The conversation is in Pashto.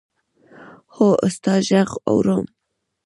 هو! ستا ږغ اورم.